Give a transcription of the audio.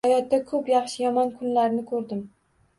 Hayotda ko‘p yaxshi-yomon kunlarni ko‘rdim